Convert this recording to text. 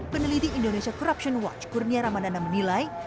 peneliti indonesia corruption watch kurnia ramadana menilai